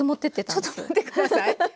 ちょっと待って下さい。